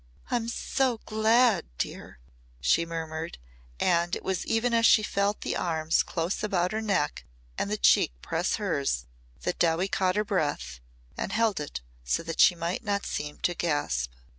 "I'm so glad, dear," she murmured and it was even as she felt the arms close about her neck and the cheek press hers that Dowie caught her breath and held it so that she might not seem to gasp.